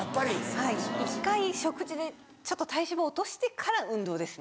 はい１回食事でちょっと体脂肪を落としてから運動ですね。